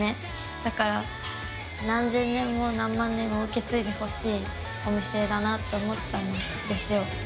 だから、何千年も何万年も受け継いでほしいお店だなと思ったんですよ。